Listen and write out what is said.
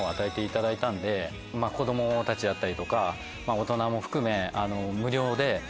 子供たちだったりとか大人も含め。